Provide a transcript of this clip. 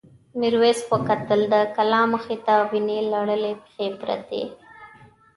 میرويس وکتل د کلا مخې ته وینې لړلې پښې پرتې.